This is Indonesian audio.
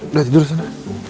udah tidur sana